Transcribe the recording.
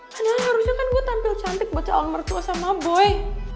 padahal harusnya kan gue tampil cantik baca al mertua sama boy